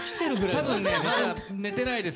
多分ねまだ寝てないです